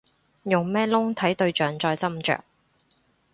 用咩窿睇對象再斟酌